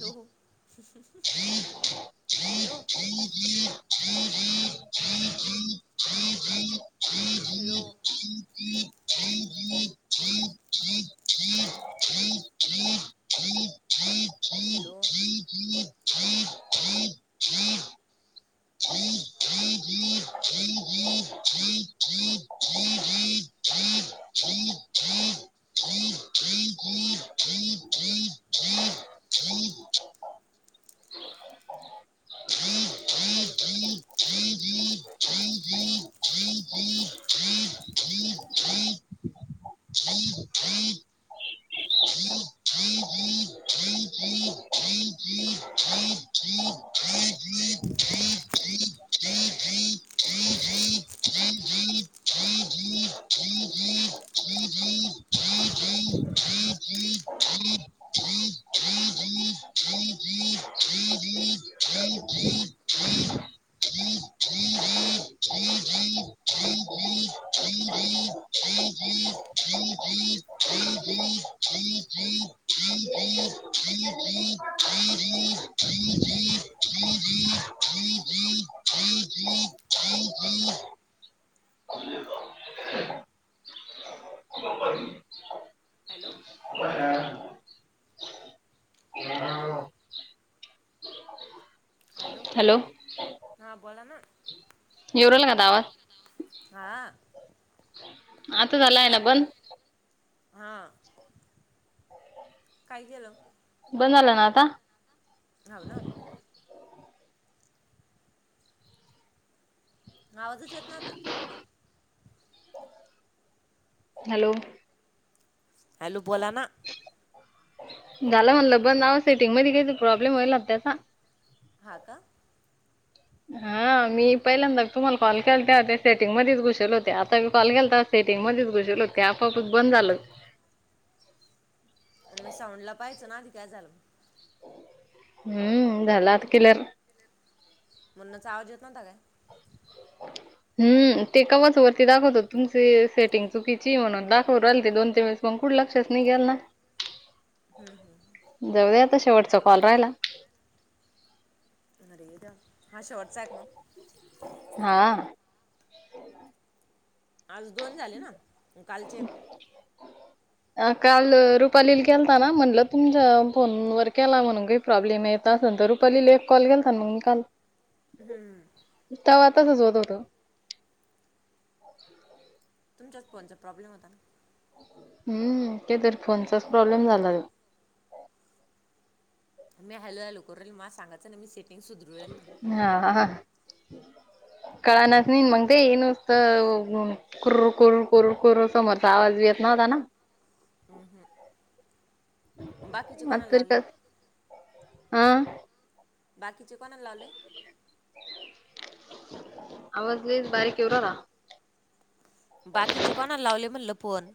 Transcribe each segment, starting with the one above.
तो [inaudible] hello. [inaudible] Hello. Hello. Hello. Hello hello. Hello. हा बोला ना. येऊ राहिला का आता आवाज? हा. आता झाला आहे ना बंद? हां काय गेलं? बंद झालं ना आता? धाव ना. आवाजच येत नव्हता. हॅलो. हॅलो. बोला ना. झालं म्हणलं बंद अहो सेटिंग मध्ये काहि तर प्रॉब्लेम व्हायला त्याचा. हा का? हा मी पहिल्यांदा तुम्हाला कॉल केलते त्या सेटिंग मध्येच घुसेल होते. आता मी कॉल केलता ते सेटिंग मध्येच घुसले होते. ते आपोआपच बंद झालं. [inaudible] मग साऊंड ला पाहायचं ना आधी काय झालं. हम झाल आता क्लियर. म्हणुनच आवाज येत नव्हता काय? [inaudible] हम्म ते कवाच वरती दाखवतो तुमची सेटिंग चुकीची म्हणून दाखवून राहिलते दोन, तीनवेळेस म कुठं लक्षच नाही गेल ना. हम हम. जाऊदे आता शेवटचा कॉल राहिला. [inaudible] अरे [unintelligible] हा शेवटचा आहेत मग. [inaudible] हा आ [inaudible] आज दोन झाले ना? म कालचे अ काल रुपालीले केलता ना म्हणलं तुमच्या फोनवर केला म्हणून काही प्रॉब्लेम ये असं असणं तर रुपाली ले एक कॉल केलता न मी काल. हम. तसच होत होत. [inaudible] तुमच्याच फोनचा प्रॉब्लेम होता का? हम काहितरी फोनचाच प्रॉब्लेम झाला मी हॅलो हॅलो करुण राहिला मग सांगायचं की मी सेटिंग सुधरू राहिला म्हणुन कळलच नाहि मग ते इन कुर्रु कुर्र कुरु कुर समोरचा आवाज बेतना होता ना हं हं बाकीचे कोणाला लावले हा बाकीचे कोणाला लावले आवाज लयचं बारीक येऊन राहिला बाकीचे कोणाला लावले म्हणल फोन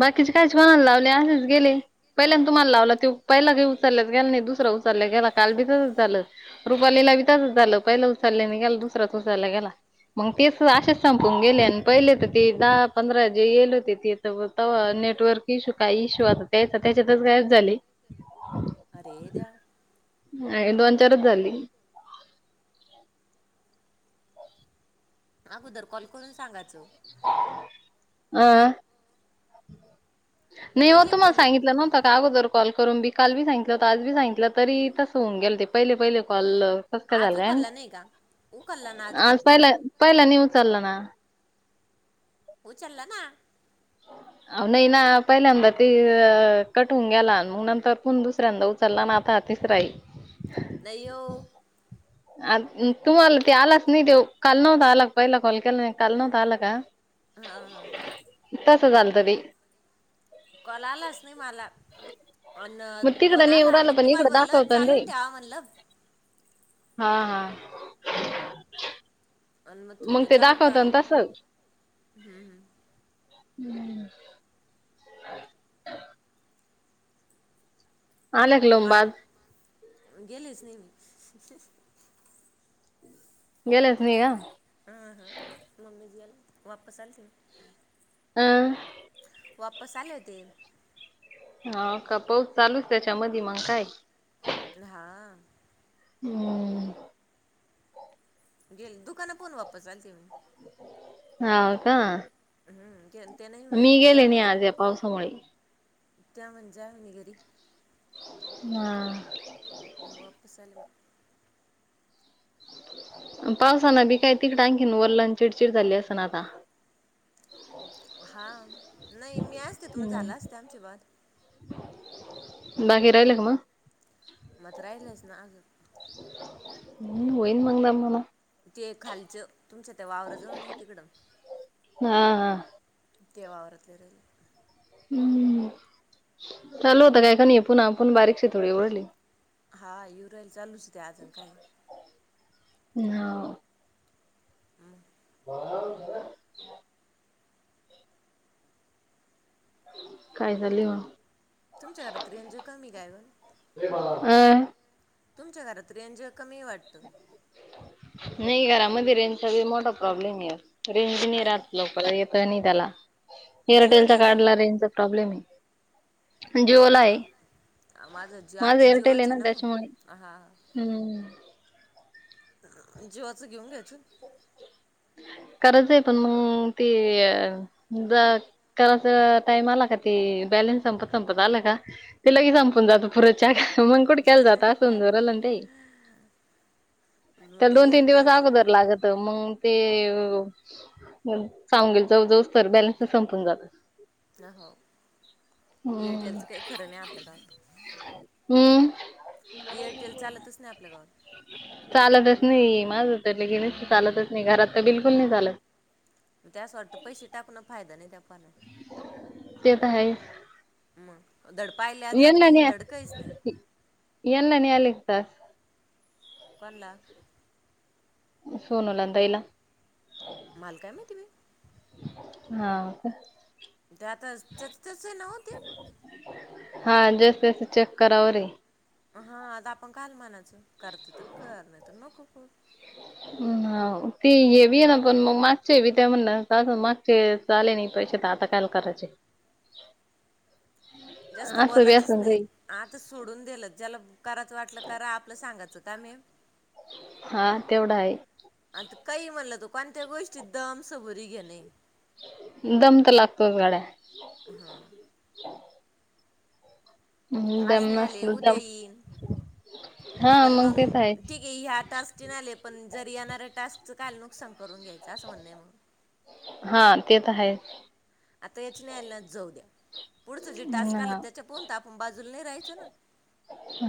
बाकीचे काहीच कोणाला लावले असेच गेले पहिल्यांद तुम्हाला लावलं ते पहिला काही उचलल्याच गेला नाही दुसरा उचालल्या गेला काल बी तसच झालं रुपालीला बी तासच झालं पहिलं उचालल्या नाही गेला दुसरा उचलल्या गेला मग तेच आशेच संपून गेले आणि पहिले तर ते दहा पंधरा जे येल होते ते तर आ नेटवर्क इशू काय इशू आता त्या त्याच्यातच कायच झाले अरेद्या अ दोन चारच झाली अगोदर कॉल करून सांगायचं हह नाही पहिले होत मला फोन उ- सांगितलं नव्हता का अगोदर कॉल करून बिक काल बी सांगितलं होत आज बी सांगितलं तरी तसं होन गेले होते पहिले पहिले कॉल कसं काय आज झालं उ काय माहित. कला नाही का उ कला ना आज भी पहिला न उचचाललं ना हो चलला ना अ नाही ना पहिल्यांदा ते कटवून गेला मग नंतर कोण दुसऱ्यांदा उचलला नाता अतिस राई नाहीऊ आ तुम्हाला ते आलाच नाही ते काल नव्हता आला पहिला कॉल केला नाही काल नव्हता आला का हा हा तसं चालतंरी कोलालाच नाही मला अन मग पण तिकडं नाही येऊ आला राहिलं मग पण तुम्हाला इकडं म्हणल दाखवत ना चालू ते ठेवा म्हणल हा हा आणि मग त तो ते चालू दाखवत ठेवला ना तसं हम्म हम्म हम्म का लावून मल बाद गेलीच ने ममी गेला स् नाहीह हा हा मम्मी जी आला वापस आल त हह वापस आले होते हा का पाऊस चालूच त्याच्या म मग काय हा हम् गेली दुकान पोन वापस आल ते मी ह का हम मी गेले नाही आज या पावसामुळे त्या म्हणजाणी घरी हा मुगपसलम पावसान बी काय तिकट आणखीन वरलाण चिडचिड झाली अस ना आता हा नाही मी असते त मग झाला हम्म असते आमची बाात [inaudible] बाकी राहिले का मग? मत राहीलेच ना आज. म होईन मग द मला. ते खालचं तुमच्या त्या वावराजवळ नाही तिकडं हा हा. केव्हा आवरते रे ही. हम्म चालू होता काय? हे ये पण आपण बारीकशी थोडी ओरडली. हा येवून राहिली चालूच होते अजून काही ह आव मग पंधरा वर्ष झालं? [unintelligible] काय झाले म? तुमच्या घरात रेंज कमी काय गं? आ तुमच्या घरात रेंज कमी वाटत. नाही घरामध्ये रेंजचा बी मोठा प्रॉब्लेम आहे रेंज नाही हाय राहत ना [unintelligible] नाही त्याला जिओ एअरटेल च्या नाही का कार्ड ला रेंजचा प्रॉब्लेम आहे. जेवला आहे. हां जिओ माझं आमची एयरटेल आहे जिओच ना त्याच्यामुळे मग [inaudible] हम्म. जिवाचं घेऊन घ्यायचं? [inaudible] कराच आहे पण मग ते अ ज करायचा टाईम आला का ते बॅलन्स संपत संपत आला का ते लई संपून जात पुढच्या का? मग कुडक्याला जाता असन जरलं [unintelligible] तेई. मग त्या ते दोन, तीन दिवस अगोदर एअरटेलचं लागत मग. ते चांगल जाऊजाऊस तर बॅलन्सच संपून जातात. हो [inaudible] हम्म एअरटेलचं काही खरं नाही आपल्या गावात. हम्. [inaudible] एअरटेल चालतच नाही आपल्या गावात चालतच नाही माझ तर लगेच चालतच नाही घरात तर बिलकुल नाही चालत. ते असं वाटत पैसे टाकून ना फायदा नाही त्या पाण्या ते तर आहेच. मग धड पाहिल्या जात हेंना नाही न्या धड काहीच नाही [inaudible] हेंना न्यायला एक तास कोणला? सोनूला आणि ताईला मला काय माहिती बाई? हा व का? ते आताच तेच तस नव्हते. हा जास्तीत जास्त चेक कराव रे. हा आता आपण काल म्हनायचं. करते तर कर नाही तर नको करू. अ हाव ती येवी आहे ना पण मग मागचेवी त्या म्हणल्या, काग मागचे आले नाही पैसे? आता कायला करायचे? [inaudible] जास्त असं बी बोलायचच असं नाही. काही आता सोडून दिलं ज्याला करायचं वाटलं करा आपलं सांगाचं. त्या मॅम हा तेवढा आहे. आता काही म्हणल तो कोणत्या गोष्टीत दम सबुरी घेणे. दम तर लागतोच गड्या. हा. हम् आज दम नाही आले असलो उद्या दम. येईन हा पण मग ते तर आहे ठीके ह्या टास्कचे नाही आले पण जर येणाऱ्या टास्कच काल नुकसान करून घ्यायचं अस म्हणण आहे मग. [inaudible] काय आहे? अता यचनला जौद्या पुढचं जे टास्क आलं हा त्याच्या पर्यंत आपण बाजूला नाही राहायचो ना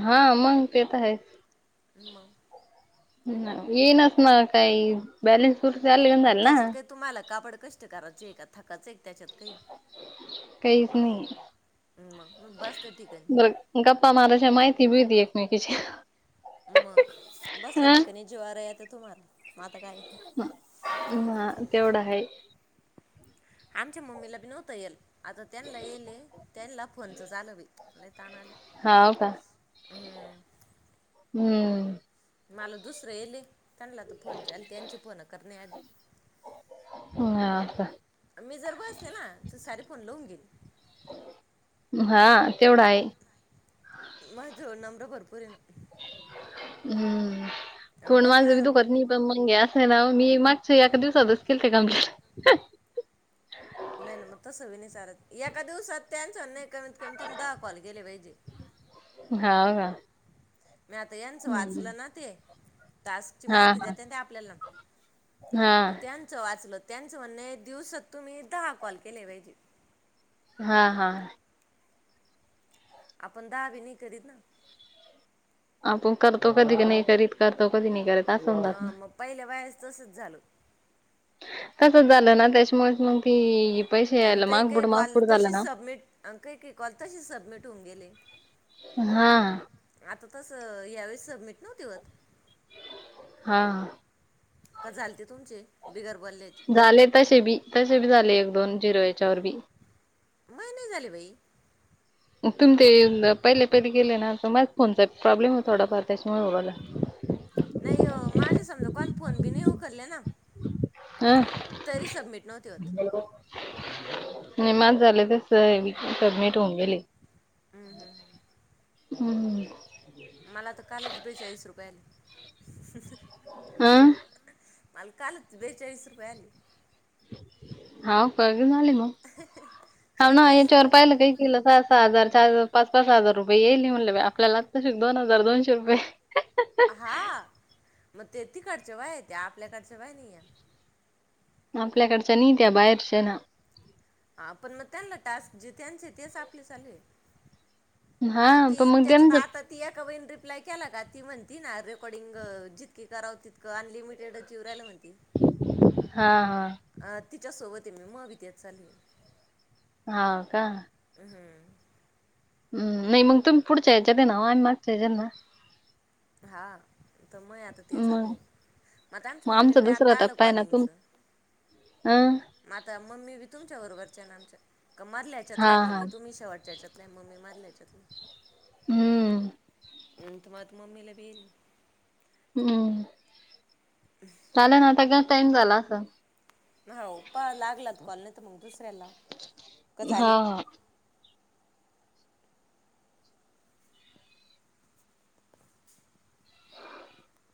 हा मग पता ह म मग ह येनच म काय ब्यालनस सुर्तीलल ना त्याच्यात काही तुम्हाला कापड कष्ट करायच आहे का थकाचं एक त्याच्यात काही काहीच नाही मग मग बसल्या बर ठिकाणी गप्पा मझच्या माहिती भीतीी एकमेकीची मग बसल्या हा ठिकाणी जिवार याेतं तुम्हाला मग आता काय ह ह तेवढं आहे आमच्या मम्मीला बी नव्हतं येईल आता त्यांना येले त्यांना फोनच झा आलं बी तानालं हा हो का हम्म. हम्म. मला दुसरं येयेले त्यांनला त फोन चे आले त्यांची फोन करण्या आधी ह् का? मी जर बसले ना त सारे फोन लवून घेईल. हा तेवढ आहे. मा जोवळ नमर भरपूरे ना. हम्म तोंड माझंबी बोलणार दुखत नाही पण मग हे असय नाओ मी मागच्या एका दिवसातच केलते कंप्लीट. नाही ना म तसं बी नाही चालत एका दिवसात त्यानच नाही कमीत कमी तुम्ही दहा कॉल केले पाहिजे. ह [inaudible] हाव का? मी आता यांचं हम्म वाचलं ना ते. टास्कची हा माहिती हा देत्यान ते आपल्याला हा त त्यांच वाचलं. त्यांचं म्हणये दिवसात तुम्ही दहा कॉल केले पाहिजे. हा हा. आपण दहा बी नाही करीत ना. आपण करतो कधी नाही करीत. करतो कधी नाही करीत. ह म पाईल्या बायाच तसच झाल. तसंच झालं ना त्याच्यामुळेच मग ती पैसे अण यायला काही काही मागपुढ कॉल मागपुढ झालं तशीच ना सबमिट. अण काही काही कॉल तशीच सबमिट होऊन गेले. [inaudible] हा. तस यावेळी सबमिट नव्हती व्हत. हा. का झालते तुमचे. बिगर बोलल्याचे झाले तसे बी तसे बी झाले एक दोन झीरो याच्यावर बी. मा नही झाले बाई. तुम ते पहिले पहिले केले ना त माझ फोनचा प्रॉ्लेमे थोडाफार त्याच्यामुळे होउरायला. नाही हो माझे समजा कोण फोन बि नही उखले ना. हं. तरी सबमिट नव्हती होत नि माझ झाले तसबी सबमिट होऊन गेले. हम्म- हम्म -हम्म. हम्म हम्म. मला तर कालच बेचाळीस रुपये आले. ह. माला कालच बेचाळीस रुपये आले. हाव का? झाले मग हाव ना, चाळीस याच्यावर रुपये पहिले काही काही ला सहा सहा हजार. चार, पाच- पाच हजार रुपये येईल म्हणलं बाई आपल्याला आताशी दोन हजार दोनशे रुपये. हा मग ते तिकडच्या बाया हायत्या आपल्याकडच्या बाया नाही ये. आपल्याकडच्या नईत्या बाहेरच्या ना. हा पण ना त्यांना टास्क जे त्यांचे तेच आपले चालूये. हा आता पण ती, मग त्याच्यात त्यांचं आता ती एका बाईन रिप्लाय केला का ती म्हणती ना रेकॉर्डिंग जितकी करावं तितकं अनलिमिटेडच येऊन रायल म्हण हा हा. अ तिच्या सोबते मी माबि तेच चालूये. हाव का, हम्म नाही मग तुम्ही पुढच्या हेच्यात ना ओ आम्ही मागच्या हेच्याते ना. हा. तमये आता ते चालू मग ये, मता आमच्या मग आमचा मम्मीलाबी आता दुसरा आल टप्पा आहे ना कॉलिंगच. तुम हा म आता मम्मी भी तु तुमच्या बरोबरच्यान आमच्या मधल्या हा हेच्यातल्या हा मम्मी तुम्ही शेवटच्या याच्यातल्या मम्मी मधल्या यच्यातल्याय. हम्म. [unintelligible] हम्म... चालेल ना आता का टाइम झाला असन. हो पहा लागला कॉल नाहितमग नाही तर मग दुसऱ्याला लाव, का हा झाले. हा [inaudible]